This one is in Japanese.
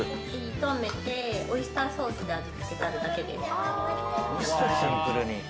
炒めてオイスターソースで味付けてあるだけです。